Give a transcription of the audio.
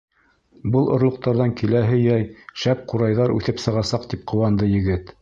Был орлоҡтарҙан киләһе йәй шәп ҡурайҙар үҫеп сығасаҡ тип, ҡыуанды егет.